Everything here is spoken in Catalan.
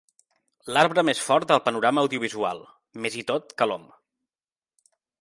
L'arbre més fort del panorama audiovisual, més i tot que l'om.